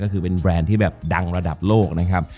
ก็คือเป็นแบรนด์ที่แบบดังระดับโลกนะครับ